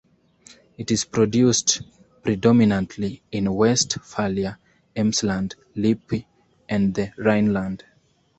It is produced predominantly in Westphalia, Emsland, Lippe, and the Rhineland.